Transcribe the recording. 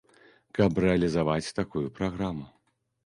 Каб рэалізаваць такую праграму.